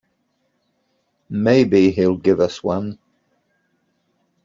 Maybe he'll give us one.